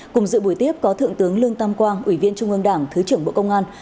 cùng dự buổi tiếp có thượng tướng lương tam quang ủy viên trung ương đảng thứ trưởng bộ công an